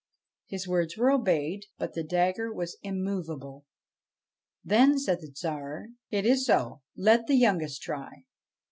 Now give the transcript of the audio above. His words were obeyed ; but the dagger was immovable. Then said the Tsar :' It is so. Let the youngest try.'